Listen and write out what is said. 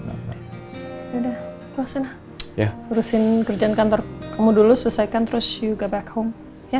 lurusin kerjaan kantor kamu dulu selesaikan terus go back home